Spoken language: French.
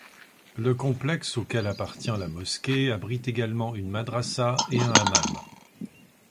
Le complexe auquel appartient la mosquée abrite également une madrasa et un hammam.